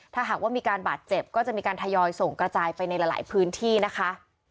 ถ้าหากว่ามีการบาดเจ็บก็จะมีการทยอยส่งกระจายไปในหลายพื้นที่นะคะ